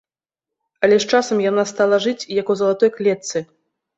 Але з часам яна стала жыць, як у залатой клетцы.